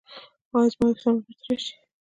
ایا زما ویښتان به بیرته راشي؟